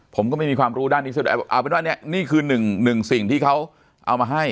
ผมก็ไม่มีความรู้ด้านนี้แสดงว่าเอาเป็นว่าเนี่ยนี่คือหนึ่งสิ่งที่เขาเอามาให้